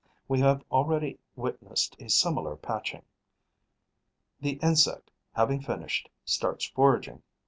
We have already witnessed a similar patching. The insect, having finished, starts foraging.